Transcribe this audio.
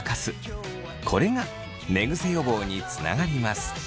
これが寝ぐせ予防につながります。